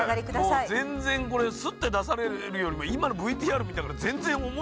もう全然これスッて出されるよりも今のＶＴＲ見たから全然思いが違うね。